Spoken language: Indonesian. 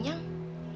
tukang itu kan